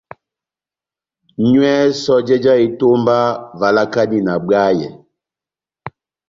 Nywɛ sɔjɛ já etomba, valakani na bwayɛ.